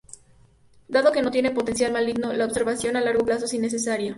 Dado que no tienen potencial maligno, la observación a largo plazo es innecesaria.